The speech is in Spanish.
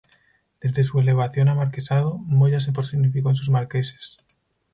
Desde su elevación a marquesado, Moya se personificó en sus marqueses.